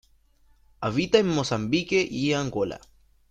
Habita en Mozambique y Angola.